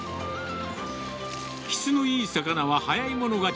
質のいい魚は早い者勝ち。